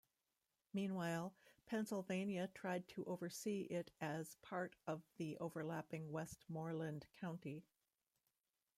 Meanwhile, Pennsylvania tried to oversee it as part of the overlapping Westmoreland County.